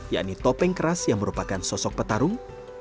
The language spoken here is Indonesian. yakni topeng keras yang merupakan sosok petarung